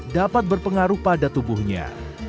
dapat berpengaruh pada tubuhnya